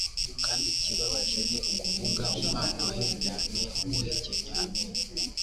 kandi kibabaje; ni ukuvuga umwana wahindanye, uhekenya amenyo,